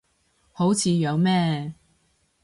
好似樣咩